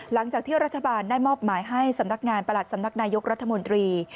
หลังจากที่รัฐบาลได้มอบหมายให้สำนักงานประหลัดสำนักนายกรัฐมนตรี